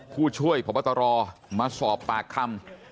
คู่ช่วยผฎมาสอบปากคำ